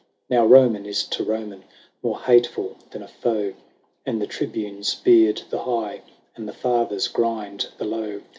XXXIII. Now Roman is to Roman More hateful than a foe, And the Tribunes beard the high, And the Fathers grind the low.